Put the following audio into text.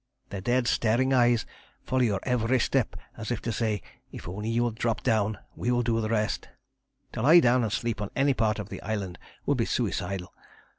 Their dead staring eyes follow your every step as if to say, 'If only you will drop down we will do the rest.' To lie down and sleep on any part of the island would be suicidal.